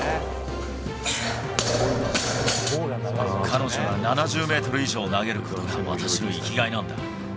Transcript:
彼女が７０メートル以上投げることが、私の生きがいなんだ。